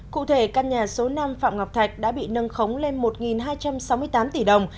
cụ thể căn nhà số năm phạm ngọc thạch đã bị nâng khống lên một hai trăm sáu mươi tám tỷ đồng